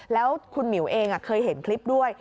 แล้วคุณหมิวเองเคยเห็นคลิปด้วย